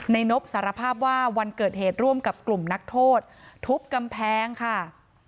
นบสารภาพว่าวันเกิดเหตุร่วมกับกลุ่มนักโทษทุบกำแพงค่ะ